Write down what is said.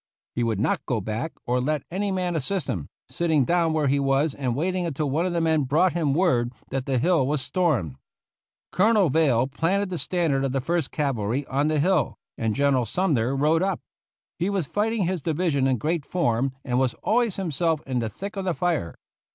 He would not go back or let any man assist him, sitting down where he was and wait ing until one of the men brought him word that the hill was stormed. Colonel Veile planted the standard of the First Cavalry on the hill, and General Sumner rode up. He was fighting his division in great form, and was always himself in the thick of the fire.